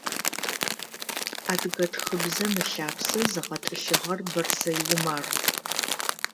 Адыгэ тхыбзэм ылъапсэ зыгъэтӏылъыгъэр Бэрсэй Умар.